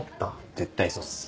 絶対そうっす。